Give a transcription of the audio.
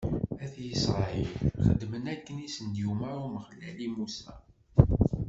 At Isṛayil xedmen akken i s-d-yumeṛ Umeɣlal i Musa.